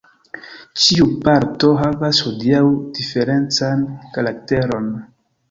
Ĉiu parto havas hodiaŭ diferencan karakteron.